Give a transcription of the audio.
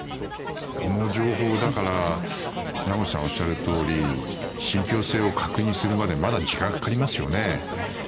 この情報名越さんがおっしゃるとおり信ぴょう性を確認するまでまだ時間がかかりますよね。